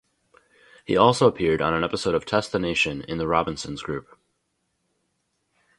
He also appeared on an episode of "Test the Nation" in the Robinsons group.